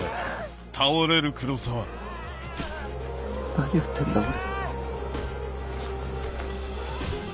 何やってんだ俺。